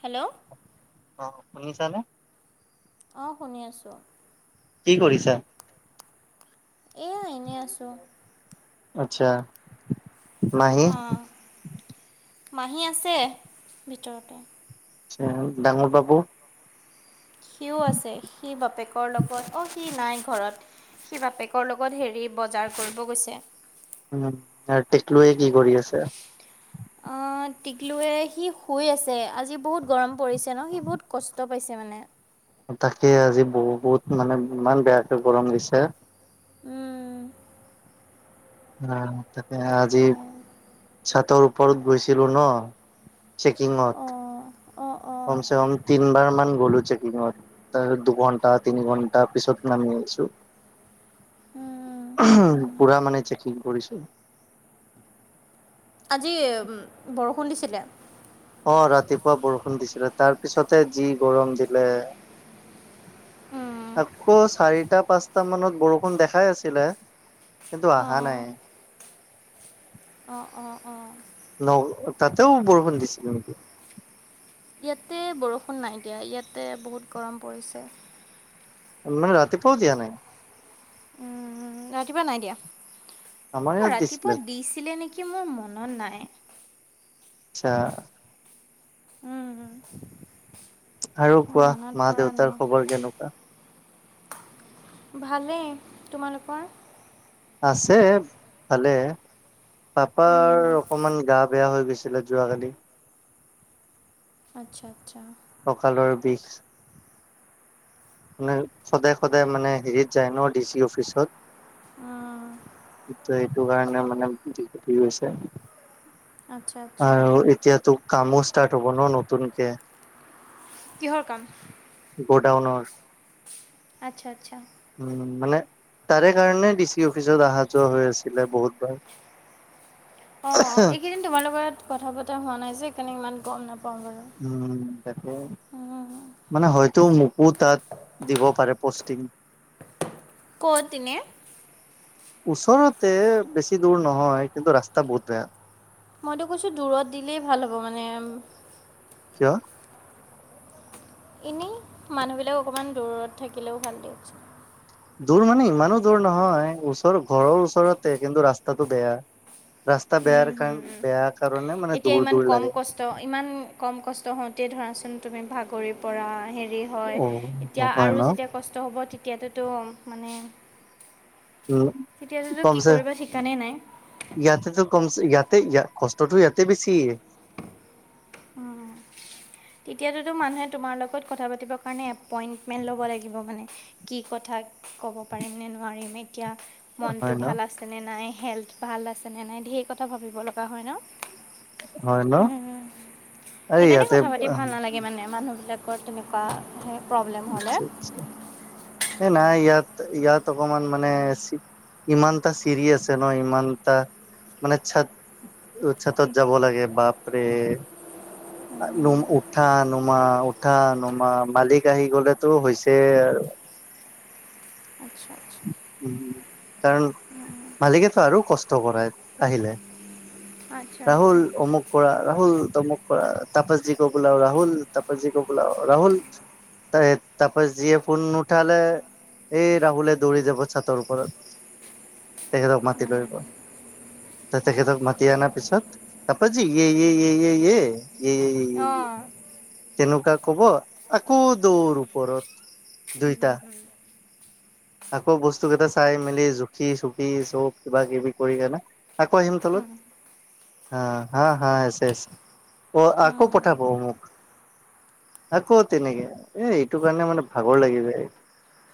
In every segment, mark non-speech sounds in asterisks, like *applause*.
Hello অ শুনিছানে অঁ শুনি আছোঁ। কি কৰিছা? এয়া এনেই আছোঁ। আচ্ছা। মাহী অ মাহী আছে ভিতৰতে। স ডাঙৰ বাবু। সিও আছে সি বাপেকৰ লগত অ সি নাই ঘৰত। সি বাপেকৰ লগত হেৰি বজাৰ কৰিব গৈছে। উম আৰু টেকলয়ে কি কৰি আছে। অ টিকলুৱে সি শুই আছে আজি বহুত গৰম পৰিছে ন সি বহুত কষ্ট পাইছে। মানে তাকে আজি বহুত মানে ইমান বেয়াকে গৰম দিছে। উম আহ তাকে আজি চাতৰ ওপৰত গৈছিলো ন। চেকিঙত অঁ অঁ অঁ কম চে কম তিনবাৰ মান গ'লো চেকিঙত ত দুঘণ্টা তিনি ঘণ্টা পিছত নামি ছো উম উম। পুৰা মানে চেকিং কৰিছো। আজি উ বৰষুণ দিছিলে। অ ৰাতিপুৱা বৰষুণ দিছিলে তাৰপিছতে যি গৰম দিলে। উম আকৌ চাৰিটা পাঁচটা মানত বৰষুণ দেখাই আছিলে। কিন্তু অহা নাই। অ অ অ। ন তাতেও বৰষুণ দিছিলে নেকি? ইয়াতে বৰষুণ নাই দিয়া ইয়াতে বহুত গৰম পৰিছে। মানে ৰাতিপোৱাওঁ দিয়া নাই? উম ৰাতিপুৱা নাই দিয়া। আমাৰ ইয়াত দিছিলে। ৰাতিপুৱা দিছিলে নেকি? মোৰ মনত নাই। আচ্ছা। উম *inaudible* আৰু কোৱা মা দেউতাৰ খবৰ কেনেকুৱা? ভালেই। তোমালোকৰ? আছে ভালে। পাপাৰ অকমান গা বেয়া হৈ গৈছিলে যোৱাকালি। আচ্ছা আচ্ছা। ককালৰ বিষ। মানে সদায় সদায় মানে হেৰিত যায় ন ডি চি অফিচত ত এইটো কাৰণে। মানে বিষ উঠি গৈছে আচ্ছা আচ্ছা। আৰু এতিয়াতো কামো ষ্টাৰ্ট হ'ব ন নতুনকে। কিহৰ কাম? গ'ডাউনৰ। আচ্ছা আচ্ছা। উম মানে তাৰে কাৰণে ডিচি অফিচত অহা যোৱা হৈ আছিলে বহুতবাৰ। অ অ এইকেইদিন তোমাৰ লগ কথা পতা হোৱা নাই যে সেইকাৰণে ইমান গম নাপাওঁ। বাৰু। উম তাকে। মানে হয়তো মোকো তাত দিব পাৰে পষ্টিং। কত এনেই? ওচৰতে বেছি দূৰ নহয় কিন্তু ৰাস্তা বহুত বেয়া। মইতো কৈছো দূৰত দিলেই ভাল হ'ব মানে। কিয়? এনেই মানুহবিলাক অকণমান দূৰত থাকিলেও ভাল দিয়কছোন। দূৰ মানে ইমানো দূৰ নহয় ওচৰ ঘৰৰ ওচৰতে কিন্তু ৰাস্তাটো বেয়া। ৰাস্তা বেয়াৰ ক বেয়া কাৰ। এতিয়া ইমান কম কষ্ট ইমান কম কষ্ট হওঁতে ধৰাচোন তুমি ভাগৰি পৰা হেৰি হয়। অ এতিয়া হয় আৰু ন যেতিয়া কষ্ট হ'ব তেতিয়াততো মানে উ তেতিয়াতোতো কি কমছে কৰিবা ঠিকানে নাই গতেটো কম গ ইয়াতে ইয়াত কষ্টটো ইয়াতে বেছি। তেতিয়াততো মানুহে তোমাৰ লগত কথা পাতিব কাৰণে এপইণ্টমেণ্ট ল'ব লাগিব মানে। কি কথা ক'ব পাৰিম নে নোৱাৰিম এতিয়া হয় মনটো ন ভাল আছেনে নাই? হেল্থ ভাল আছেনে নাই ঢেৰ কথা ভাবিব লগা হয় ন? হয় ন। আৰে সেইকাৰণে ইয়াতে কথা পাতি ভাল নালাগে মানে মানুহ বিলাকৰ তেনেকুৱাে এ নাই ইয়াত ইয়াত অকমান মানে ইমানটা চিৰি আছে ন ইমানটা মানে চাত চাতত যাব লাগে বাপৰে। নম উঠা নুমা উঠা নুমা মালিক আহি গলেতো হৈছে অ *unintelligible* *inaudible* উ কাৰণ মালিকেতো আৰু কষ্ট কৰাই আহিলে। আচ্ছা। আচ্ছা ৰাহুল অমুক কৰা ৰাহুল অমুক কৰা তাপাজী কো বোলাও ৰাহুল তাপাজীকো বোলাও ৰাহুল- তপ যিয়ে ফোন- উঠাহলে এই ৰাহুলে দৌৰি যাব চাটৰ ওপৰত তেখেতক মাতি লৈব- তেখেত মাতি আনাৰ পিছত তাৰপৰা যি - য়েই য়েই য়েই অঁ তেনেকুৱা কব আকৌ দৌৰ ওপৰত দুইটা আকৌ বস্তু কেইটা চাই মেলি জুখি চুখি চব কিবা কিবি কৰি কিনে আকৌ আহিম তলত- *inaudible* আহ হা হা শেচ অ আকৌ পঠাব অমুক আকৌ তেনেকে এ এইটো কাৰণে মানে ভাগৰ লাগি যায়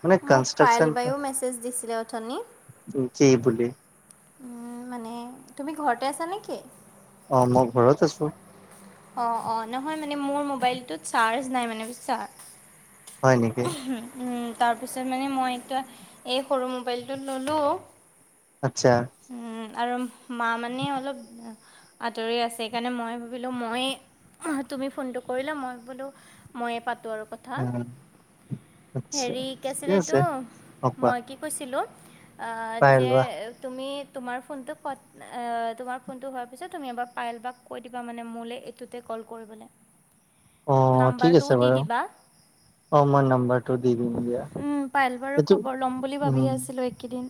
মানে। ফাইল কনষ্ট্ৰাকচন বায়ো মেছেজ দিছিলে অথনি- কি বুলি। মানে তুমি ঘৰতে আছা নেকি? অ মই ঘৰত আছো। অ অ নহয় মানে মোৰ মোবাইলটোত চাৰ্জ নাই মানে বিশ- হয় নেকি তাৰপিছত মানে মই এইটো এই সৰু মোবাইলটো ল'লোঁ। আচ্ছা। আৰু মা মানে অলপ আঁতৰি আছে সেইকাৰণে মই ভাবিলোঁ। মই তুমি ফোনটো কৰিলা মই বোলো ময়ে পাতোঁ আৰু কথা- আচ্ছা হেৰি কিআছিলে ঠিকে এইটো আছে অ কোৱা মই কি কৈছিলো। ত আ পাই যে লোৱা তুমি- তোমাৰ ফোনটো কত তোমাৰ ফোনটো হোৱাৰ পিছত তুমি এবাৰ পাইল বা কৈ দিবা মানে মোলৈ এইটোতে ক কল কৰিবলে অ ঠিক আছে নাম্বাৰটোও দি বাৰু দিবা। অ মই নাম্বাৰটো দি দিম দিয়া পায়েল বাৰু সেইটো- খবৰ ল'ম বুলি ভাবিয়ে আছিলোঁ এইকেইদিন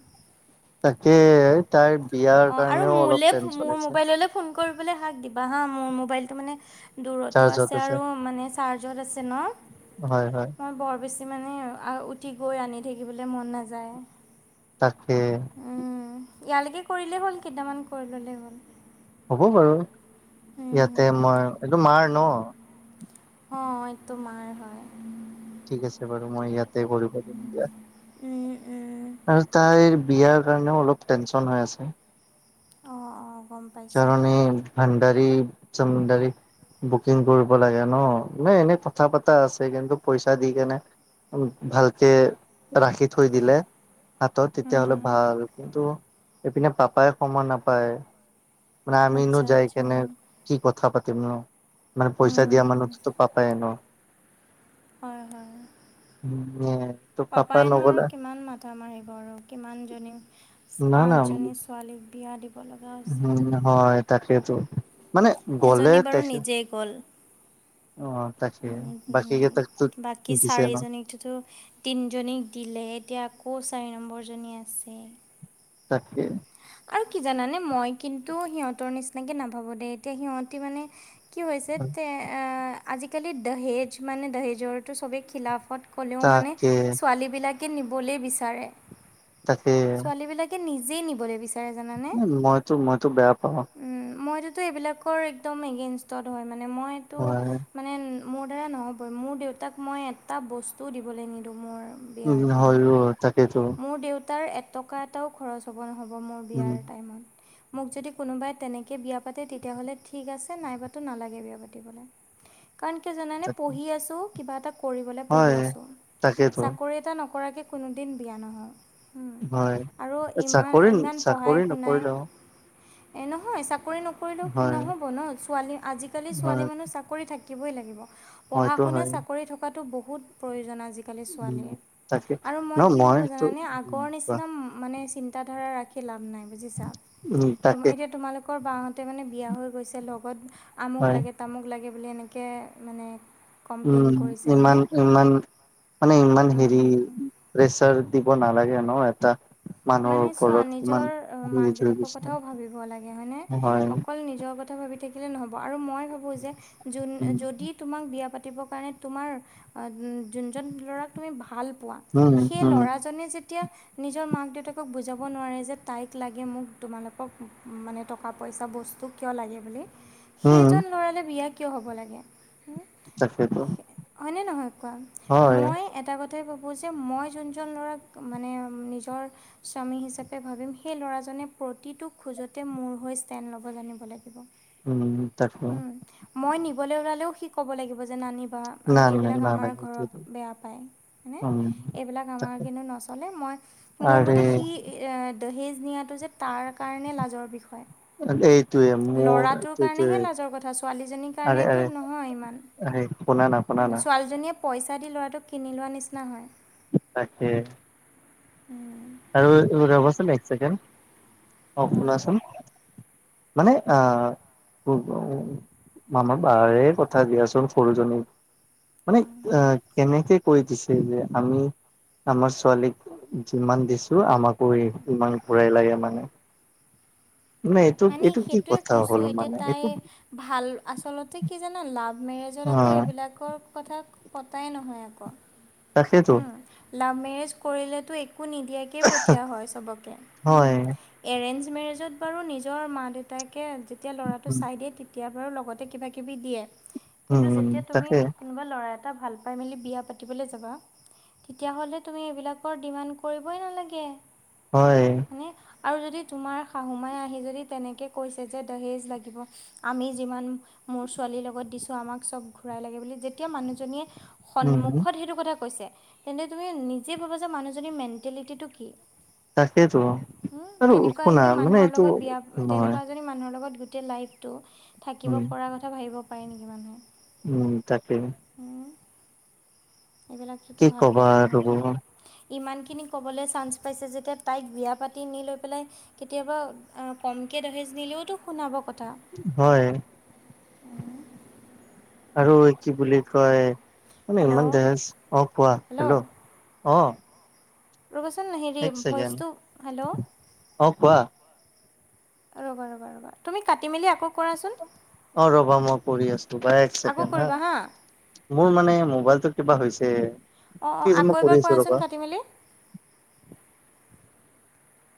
তাকে- তাইৰ বিয়াৰ অ আৰু কাৰণেও অলপ মোলে টেনচন মোৰ আছে মোবাইললৈ ফোন কৰিবলৈ হাক দ বা হা মোৰ মোবাইলটো মানে দূৰতো আছে আৰু মানে চাৰ্জত আছে। ন হয় হয় মই বৰ বেছি মানে উঠি গৈ আনি থাকিবলৈ- মন নাযায় তাকে উম ইয়ালৈকে- কৰিলেই হ'ল কেইটামান কৰি ল'লেই হ'ল হ'ব বাৰু ইয়াতে মই এইটো মাৰ ন অ এইটো মাৰ হয়। ঠিক আছে বাৰু মই ইয়াতে কৰিব দিম দিয়া। আৰু তাইৰ বিয়াৰ কাৰণেও অলপ টেনশন হৈ আছে। অ অ চাৰে ভাডাৰী চডাৰী- বুকিং কৰিব লাগে ন নে এনেই কথা পতা আছে কিন্তু পইচা দি কেনে- ভালকে ৰাখি থৈ দিলে। হাতত তেতিয়াহলে ভাল কিন্তু এইপিনে পাপাই সময় নাপায়। মানে আমিনো আচ্ছা যাই আচ্ছা কেনে কি কথা পাতিম। ন মানে পইচা দিয়া মানুহতো পাপাই ন। হয় হয়। ত পাপা পপাইনো আৰু নগলে কিমান মাথা মাৰিব। আৰু কিমানজনী না না পাঁচজনী ছোৱালী- উম হয় তাকেতো মানে গ'লে এজনী বাৰু তেখে- নিজেই গ'ল তাকে। উম হম বাকী দিছে ন চাৰিজনীক তোতো তিনিজনীক দিলে এতিয়া আকৌ চাৰি নম্বৰ। এজনী আছে। তাকে। আৰু কি জানানে মই কিন্তু সিহঁতৰ নিচিনাকে নাভাবোঁ দেই এতিয়া সিহঁতি মানে। কি হৈছে তে এ আজিকালি দহেজ মানে দহেজৰটো চবেই খিলাফত। ক'লেও মানে তাকে ছোৱালীবিলাকে নিবলে বিচাৰে। তাকে ছোৱালী বিলাকে নিজেই নিবলে বিচাৰে। জানানে উ মইতো মইতো বেয়া পাওঁ। ত এইবিলাকৰ একম এগেইনষ্টত হয় মানে মইতো হয় মানে উম। মোৰ দ্বাৰা নহ'ব মোৰ দেউতাক মই এটা বস্তুও দিবলৈ নিদিওঁ মোৰ। উম হয়‌ও তাকেইতো। তাৰ এটকা এটাও খৰচ হ'ব নহ'ব মোৰ উম, বিয়াৰ টাইমত। মোক যদি কোনোবাই তেনেকে বিয়া পাতে তেতিয়াহ'লে ঠিক আছে নাইবাতো নালাগে বিয়া পাতিবলে। কাৰণ কি জানানে তাকে পঢ়ি আছোঁ কিবা এটা কৰিবলৈ পঢ়ি হয় আছোঁ তাকেইতো চাকৰি এটা নক। পৰাকে কোনোদিন বিয়া নহওঁ। উম, হয়। আৰু ইমান চাকৰি ইমান পঢ়াই চাকৰি শুনাই। নকৰিলেও এ নহয় চাকৰি নকৰিলেও হয় নহ'ব ন ছোৱালী আজিকালি ছোৱালী হয় মানুহ চাকৰি থাকে। থাকিব‌ই লাগিব পঢ়া হয়তো শুনা হয় চাকৰি থকাতো বহুত প্ৰয়োজন আজি। আজি ছোৱালী উম, ৰ তাকে আৰু ন মই কি ভাবোঁ মইতো জানানে উম, আগৰ নিচিনা। কোৱা মানে চিন্তাধাৰা ৰাখি লাভ নাই বুজিছা। উম, ত তাকে এতিয়া তোমালোকৰ বা হতে মানে বিয়া হৈ গৈছে লগত আমুক হয় লাগে তামুক লাগে। বুলি এনেকে মানে। কমপ্লেইন উম কৰিছে হয়নে ইমান ইমান মানে ইমান হেৰি প্ৰেছাৰ। দিব নালাগে ন এটা। মানুহৰ মানে চোৱা ওপৰত ইমান নিজৰ‌ অ মাক এজ হৈ দেউতাকৰ গৈছে কথাও ভাবিব লাগে হয়নে হয় অকল নিজৰ কথা ভাবি থাকি। থাকিলে নহব আৰু মই ভাবো উম যোনে যদি তোমাক বিয়া পাত। পাতিব কাৰণে তোমাৰ আ উ উ। যোনজন ল'ৰাক তুমি ভাল পোৱা উম সেই উম ল'ৰাজনে যেতিয়া নিজৰ মাক দেউতাক। ক বুজাব নোৱাৰে যে তাইক লাগে মোক তোমালোকক উ উ মানে টকা পইচা বস্তু কিয় লাগে বুলি। হে উম সেইজন ল'ৰালে বিয়া কিয় হ'ব লাগে। উম তাকেতো হয়নে নহয় কোৱা হয় মই এটা কথা। সেইটো ভাবোঁ যে মই যোনজন ল'ৰাক মানে নিজৰ। স্বামী হিচাপে ভাবিম সেই ল'ৰাজনে প্ৰতিটো খোজতে মোৰ হৈ ষ্টেণ্ড ল'ব জানিব লাগিব। উম তাকে। কবালে ওলালেও সি ক'ব লাগিব যে নানী। বা আ না এই নাই বিলাক আমাৰ নালাগে ঘৰত এইটোৱেতো বেয়া পায় মানে উম এই বিলাক আমাৰ তাকে কিন্তু নচলে ম‌ই আ মোৰ আৰে মতে সি এই দহেজ নিয়াটো যে তাৰ কাৰণে লাজৰ বিষয়। এইটোৱে মোৰ লৰাটোৰ এইটোৱে কাৰণেহে লাজৰ কথা ছোৱালীজনীৰ কাৰণেতো নহয় ইমান। এ সেই পোনা না পোনা না। ছোৱালীজনীয়ে পইচা দি ল'ৰাটোক কিনি লোৱাৰ নিচিনা হয়। তাকে। উম। আৰু ৰবচোন এক চেকেণ্ড অ কোৱা শুনাচোন। মানে আ। উম উ উ মানুহ বাহিৰে কথা দিয়াচোন সৰুজনীক। মানে আ কেনেকে। কৈ দিছে যে আমি আমাৰ ছোৱালীক যিমান দি। ছো আমাকো ইমান ঘূৰাই লাগে মানে। এইটো মানে এইটো কি সেইটোয়ে কথা হ'ল কৈছোঁ এতিয়া মানে তাই এইটো ভাল আচলতে কি জানা লাভ। অ মেৰেজত আকৌ এইবিলাকৰ কথা পতাই নহয় আকৌ তাকে টো লাভ মেৰেজ কৰিলেতো একো নিদিয়াকেই পঠিয়া হয় চবকে হয় এৰেঞ্জ মেৰেজত বাৰু নিজৰ মাক দেউতাকে যেতিয়া ল'ৰাটো উম চাই দিয়ে তেতিয়া বাৰু লগতে কিবা কিবি দিয়ে কিন্তু উম যেতিয়া তুমি তাকে কোনোবা ল'ৰা এ টা ভাল পাই মেলি বিয়া পাতিবলৈ যাবা তেতিয়াহ'লে তুমি এইবিলাকৰ ডিমাণ্ড কৰিবই নালাগে হয় মানে আৰু যদি তোমাৰ শাহুমাই আহি যদি তেনেকৈ কৈছে যে দাহেজ লাগিব আমি যিমান মোৰ ছোৱালীৰ লগত দিছো আমাক চব ঘূৰাই লাগে বুলি যেতিয়া মানুহজনীয়ে উম সন্মুখত সেইটো কথা কৈছে তেন্তে তুমি নিজেই ভাবা যে মানুহজনীৰ মেণ্টেলিটিটো কি তাকেইতো উম আৰু তেনেকুৱা শুনা এজনী মানে মানুহৰ এইটো লগত বিয়া নহয় তেনেকুৱা এজনী মানুহৰ লগত গোটেই লাইফটো থাকিব উম পৰা কথা ভাবিব পাৰে নেকি মানুহে উম তাকে এইবিলাকতো কি ভাল কবা কথা আৰু নহয় ন ইমানখিনি ক'বলে চান্স পাইছে যেতিয়া তাইক বিয়া পাতি নি লৈ পেলাই কেতিয়াবা কম কে দাহেজ নিলেওতো শুনাব ক হয় উম আৰু কি বুলি কয় মানে ইমান হেল্ল' দাহেজ অ কোৱা হেল্ল' অ ৰ'বচোন হেৰি এক ছেকেণ্ড ভইচটো হেল্ল' অ কোৱা ৰবা ৰ'বা ৰবা তুমি কাটি মেলি আকৌ কৰাচোন অ ৰ'বা মই কৰি আছো বা এক আকৌ ছেকেণ্ড হা কৰিবা মোৰ মানে মোবাইলটো কিবা হৈছে তে অ অ আকৌ এবাৰ কৰাচোন কাটি মেলি